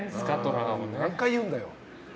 何回言うんだよ。